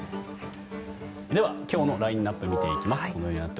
では今日のラインアップ見ていきます。